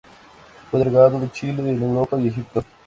Fue delegado de Chile en Europa y Egipto.